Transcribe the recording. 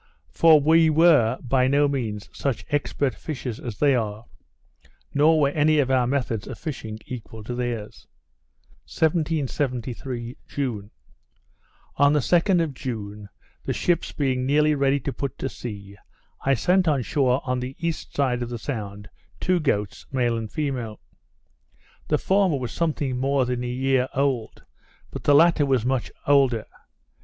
For we were, by no means, such expert fishers as they are; nor were any of our methods of fishing equal to theirs. 1773 June On the 2d of June, the ships being nearly ready to put to sea, I sent on shore on the east side of the sound, two goats, male and female. The former was something more than a year old; but the latter was much older.